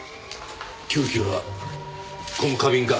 凶器はこの花瓶か。